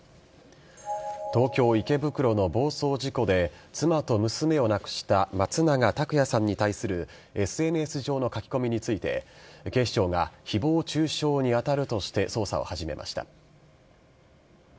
東京・池袋の暴走事故で、妻と娘を亡くした松永拓也さんに対するＳＮＳ上の書き込みについて、警視庁が、ひぼう中傷に当たるとして捜査を始めました。